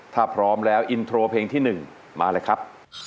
ถ้าพร้อมแล้วอินโทรเพลงที่๑มาเลยครับ